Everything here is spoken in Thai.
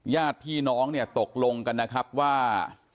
ญาติพี่น้องตกลงกันว่า